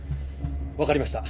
分かりました。